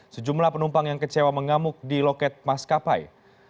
sejumlah penumpang yang kecewa mengamuk di loket maskapai